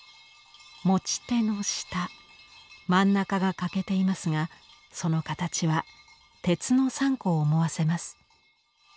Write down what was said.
持ち手の下真ん中が欠けていますがその形は「鉄三鈷」を思わせます。